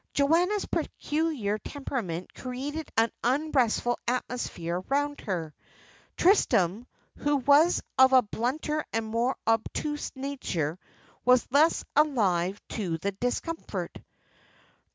Joanna's peculiar temperament created an unrestful atmosphere round her. Tristram, who was of a blunter and more obtuse nature, was less alive to the discomfort.